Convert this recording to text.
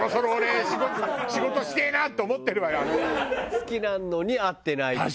好きなのに会ってないっていう。